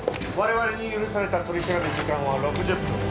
我々に許された取り調べ時間は６０分。